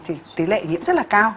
thì tỷ lệ nhiễm rất là cao